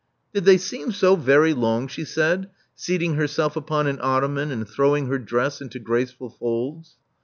Did they seem so very long?" she said, seating herself upon an ottoman and throwing her dress into graceful folds.